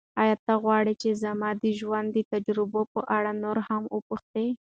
ایا ته غواړې چې زما د ژوند د تجربو په اړه نور هم وپوښتې؟